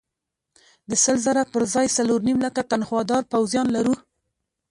د سل زره پر ځای څلور نیم لکه تنخوادار پوځیان لرو.